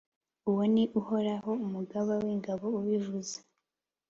Uwo ni Uhoraho, Umugaba w’ingabo, ubivuze.